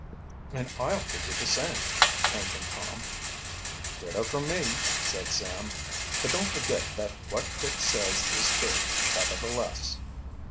"And I'll give you the same," came from Tom. "Ditto from me," said Sam. "But don't forget that what Dick says is true, nevertheless."